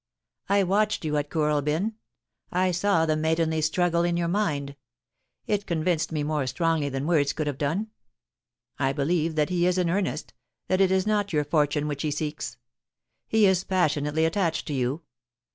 *I watched you at Kooralbyn. I saw the maidenly struggle in your mind — it convinced me more strongly than words could have done. I believe that he is in earnest, that it is not your fortune which he seeks. He is passionately attached to you.